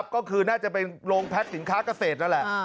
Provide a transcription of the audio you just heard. ก็คือน่าจะเป็นโรงแพทย์สินค้าเกษตรนั่นแหละ